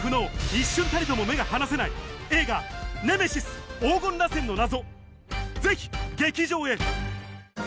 一瞬たりとも目が離せない映画『ネメシス黄金螺旋の謎』